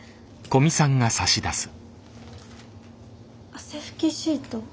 汗拭きシート？